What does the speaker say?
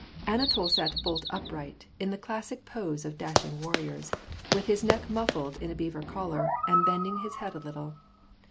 Anatol sat bolt upright, in the classic pose of dashing warriors, with his neck mufiled in a beaver collar, and bending his head a little.